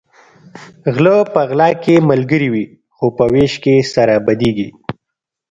غلۀ په غلا کې ملګري وي خو په وېش کې سره بدیږي